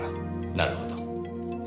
なるほど。